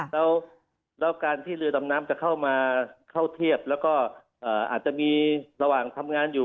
แล้วการที่เรือดำน้ำจะเข้ามาเข้าเทียบแล้วก็อาจจะมีระหว่างทำงานอยู่